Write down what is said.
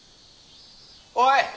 おい！